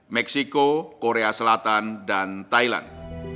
meksiko korea selatan dan thailand